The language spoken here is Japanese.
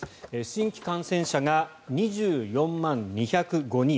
新規感染者が２４万２０５人。